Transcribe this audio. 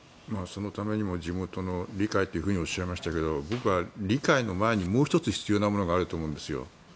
そのためにも地元の理解とおっしゃいましたけど僕は理解の前にもう１つ必要なものがあると思うんですよ。